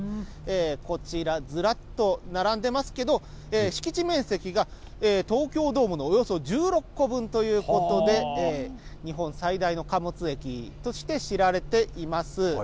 こちら、ずらっと並んでますけど、敷地面積が東京ドームのおよそ１６個分ということで、日本最大の貨物駅として知られています。